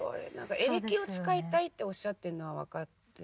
エレキを使いたいっておっしゃってるのは分かって。